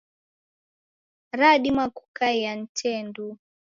Radima kukaia ni tee nduu.